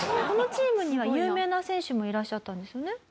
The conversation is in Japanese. このチームには有名な選手もいらっしゃったんですよね？